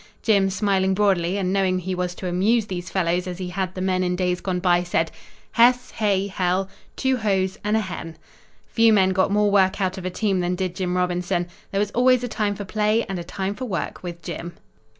Jim, smiling broadly and knowing he was to amuse these fellows as he had the men in days gone by, said: "Hess Hay Hell two Hoes and a Hen." Few men got more work out of a team than did Jim Robinson. There was always a time for play and a time for work with Jim.